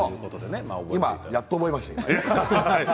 今、やっと覚えました。